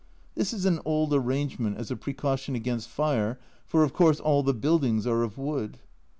This is an old arrangement as a precaution against fire, for, of course, all the buildings are of wood.